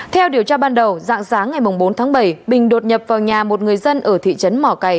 theo điều tra ban đầu dạng sáng ngày bốn tháng bảy bình đột nhập vào nhà một người dân ở thị trấn mỏ cầy